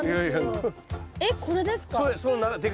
あっこれですか？